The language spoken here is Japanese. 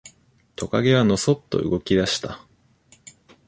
トカゲはのそっと動き出した。